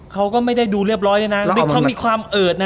เขาก็ไม่ได้ดูเรียบร้อยด้วยนะเขามีความเอิดนะ